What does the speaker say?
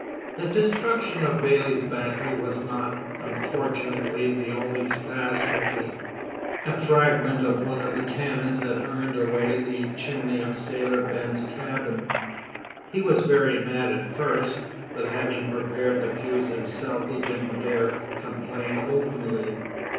The destruction of Bailey's Battery was not, unfortunately, the only catastrophe. A fragment of one of the cannon had earned away the chimney of Sailor Ben's cabin. He was very mad at first, but having prepared the fuse himself he didn't dare complain openly.